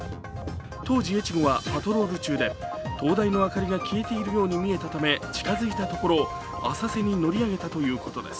当時「えちご」はパトロール中で灯台の明かりが消えているように見えたため近づいたところ浅瀬に乗り上げたということです。